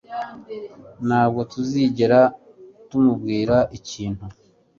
Ntabwo tuzigera tumubwira ikintu